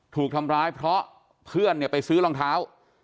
ถูกทำร้ายเพราะเพื่อนเนี่ยไปซื้อรองเท้า